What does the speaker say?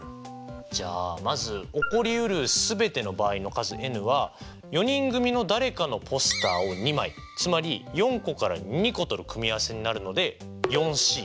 じゃあまず起こりうるすべての場合の数Ｎは４人組の誰かのポスターを２枚つまり４個から２個取る組み合わせになるのでＣ。